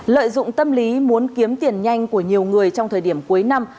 lợi dụng tâm lý muốn kiếm tiền nhanh của nhiều người trong thời điểm cuối năm